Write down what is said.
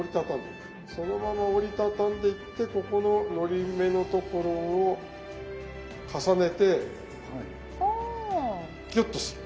そのまま折り畳んでいってここののり目のところを重ねてギュッとする。